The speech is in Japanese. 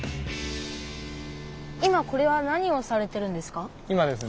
今これは何をされてるんですか？